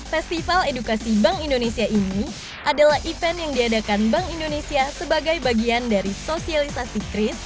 festival edukasi bank indonesia ini adalah event yang diadakan bank indonesia sebagai bagian dari sosialisasi kris